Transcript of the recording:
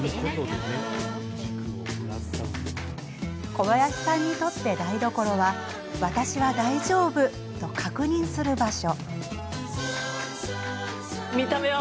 小林さんにとって台所は「私は大丈夫」と確認する場所。